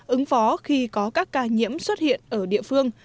ứng phó khi có các ca nhiễm xuất hiện ở địa phương